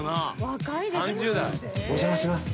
若いです。